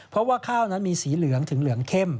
เพราะว่าข้าวนั้นมีสีเหลืองถึงเหลืองเข้ม